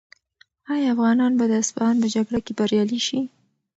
آیا افغانان به د اصفهان په جګړه کې بریالي شي؟